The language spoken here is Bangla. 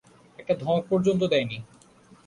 একটা ধমক পর্যন্ত দেয় নি।